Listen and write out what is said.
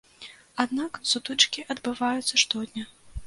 Аднак сутычкі адбываюцца штодня.